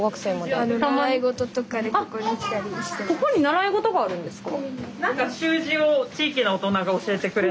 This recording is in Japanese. あっここに習い事があるんですか？